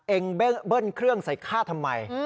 เบิ้ลเครื่องใส่ข้าทำไม